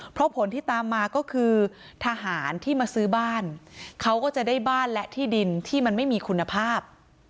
เพราะผลที่ตามมาก็คือทหารที่มาซื้อบ้านเขาก็จะได้บ้านและที่ดินที่มันไม่มีคุณภาพ